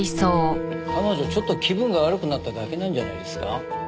彼女ちょっと気分が悪くなっただけなんじゃないですか？